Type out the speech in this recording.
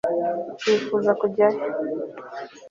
wifuza kujya he